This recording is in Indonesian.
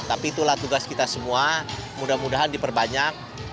tapi itulah tugas kita semua mudah mudahan diperbanyak